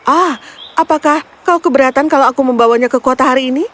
ah apakah kau keberatan kalau aku membawanya ke kota hari ini